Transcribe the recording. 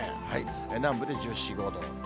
南部で１４、５度。